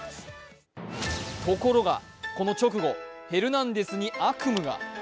ところがこの直後、ヘルナンデスに悪夢が。